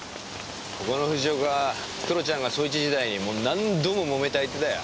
ここの藤岡は黒ちゃんが捜一時代にもう何度ももめた相手だよ。